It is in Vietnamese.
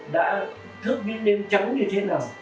đã thước những đêm trắng như thế nào